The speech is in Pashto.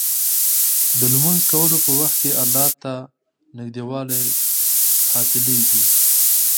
د لمونځ کولو په وخت کې الله ته نږدېوالی حاصلېږي.